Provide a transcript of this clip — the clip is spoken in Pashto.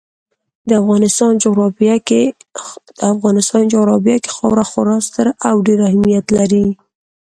د افغانستان جغرافیه کې خاوره خورا ستر او ډېر اهمیت لري.